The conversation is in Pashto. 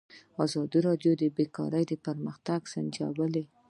ازادي راډیو د بیکاري پرمختګ سنجولی.